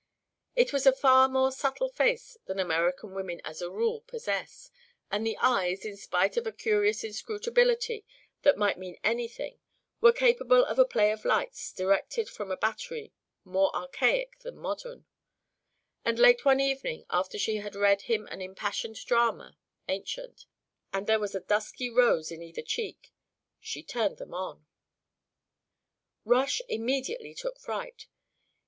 It was a far more subtle face than American women as a rule possess, and the eyes in spite of a curious inscrutability that might mean anything were capable of a play of lights directed from a battery more archaic than modern; and late one evening after she had read him an impassioned drama (ancient) and there was a dusky rose in either cheek, she turned them on. Rush immediately took fright.